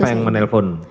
siapa yang menelpon